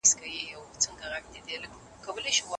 شاعر کولی شي متن ساده ولیکي.